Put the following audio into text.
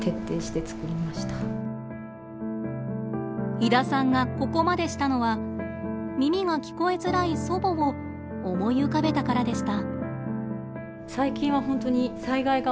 井田さんがここまでしたのは耳が聞こえづらい祖母を思い浮かべたからでした。